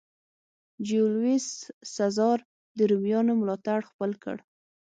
جیولیوس سزار د رومیانو ملاتړ خپل کړ.